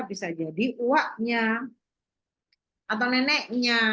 bisa jadi uapnya atau neneknya